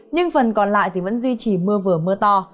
nhưng phần còn lại thì vẫn duy trì mưa vừa mưa to